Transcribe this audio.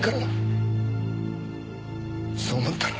そう思ったら。